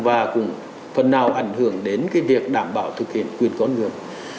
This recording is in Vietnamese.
và cũng phần nào ảnh hưởng đến việc đảm bảo thực hiện quyền con người